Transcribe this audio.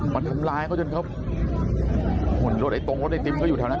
มาทำลายเขาจนครับหมุนลดไอตรงลดไอติ๊มเขาอยู่เท่านั้น